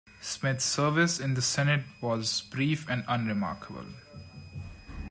Smith's service in the Senate was brief and unremarkable.